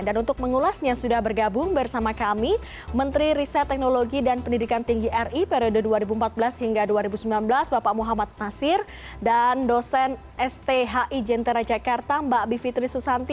dan untuk mengulasnya sudah bergabung bersama kami menteri riset teknologi dan pendidikan tinggi ri periode dua ribu empat belas hingga dua ribu sembilan belas bapak muhammad nasir dan dosen sthi jentera jakarta mbak bivitri susanti